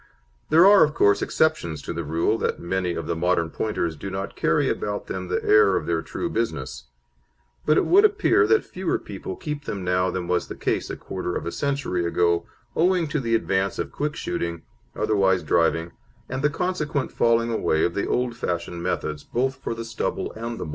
There are, of course, exceptions to the rule that many of the modern Pointers do not carry about them the air of their true business; but it would appear that fewer people keep them now than was the case a quarter of a century ago, owing to the advance of quick shooting, otherwise driving, and the consequent falling away of the old fashioned methods, both for the stubble and the moor.